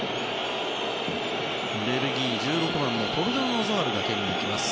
ベルギー、１６番のトルガン・アザールが蹴ります。